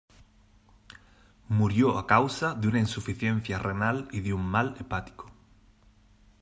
Murió a causa de una insuficiencia renal y de un mal hepático.